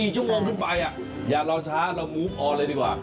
๔ชั่วโมงขึ้นไปอย่ารอช้าเรามูฟอเลยดีกว่า